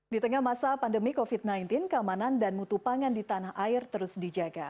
di tengah masa pandemi covid sembilan belas keamanan dan mutu pangan di tanah air terus dijaga